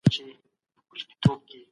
موږ بايد د پياوړي شعور خاوندان واوسو.